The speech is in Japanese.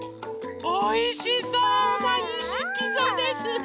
おいしそうないしピザですね！